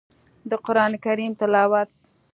د قران کريم تلاوت